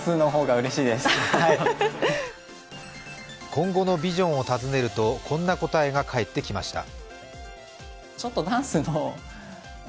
今後のビジョンを尋ねると、こんな答えが返ってきました。